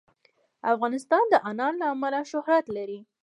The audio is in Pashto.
افغانستان د انار له امله شهرت لري.